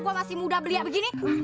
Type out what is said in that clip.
gue masih muda belia begini